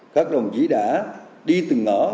các đồng chí đã đi từ ngõ